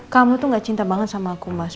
kamu tuh gak cinta banget sama aku mas